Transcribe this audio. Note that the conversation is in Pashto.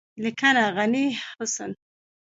لیکنه: غني حسن